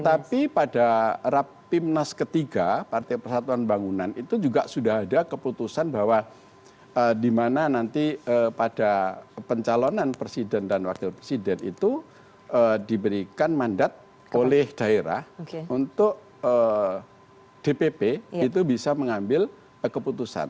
tapi pada rapimnas ketiga partai persatuan bangunan itu juga sudah ada keputusan bahwa dimana nanti pada pencalonan presiden dan wakil presiden itu diberikan mandat oleh daerah untuk dpp itu bisa mengambil keputusan